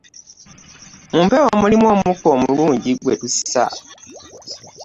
Mu mpewo mulimu omukka omulungi gwe tussa.